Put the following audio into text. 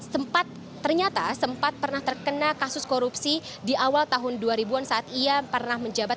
sempat ternyata sempat pernah terkena kasus korupsi di awal tahun dua ribu an saat ia pernah menjabat